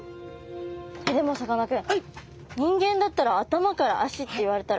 でもさかなクン人間だったら頭から足って言われたら。